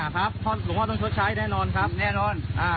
ครับหลวงพ่อต้องชดใช้แน่นอนครับแน่นอน